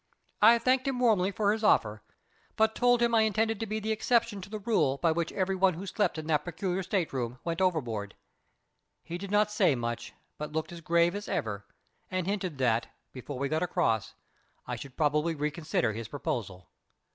I thanked him warmly for his offer, but told him I intended to be the exception to the rule by which every one who slept in that particular state room went overboard. He did not say much, but looked as grave as ever, and hinted that, before we got across, I should probably reconsider his proposal.